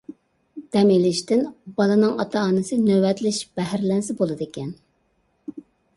دەم ئېلىشتىن بالىنىڭ ئاتا- ئانىسى نۆۋەتلىشىپ بەھرىلەنسە بولىدىكەن.